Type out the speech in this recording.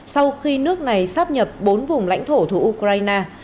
sau khi nước này sáp nhập bốn vùng lãnh thổ thủ ukraine